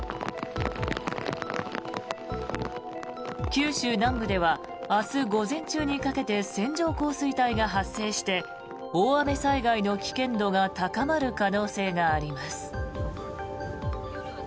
九州南部では明日午前中にかけて線状降水帯が発生して大雨災害の危険度が高まる可能性があります。